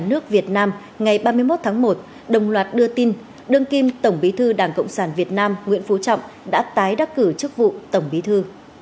nước việt nam ngày ba mươi một tháng một đồng loạt đưa tin đương kim tổng bí thư đảng cộng sản việt nam nguyễn phú trọng đã tái đắc cử chức vụ tổng bí thư